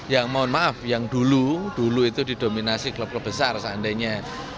yang mohon maaf yang dulu dulu itu didominasi klub klub besar seandainya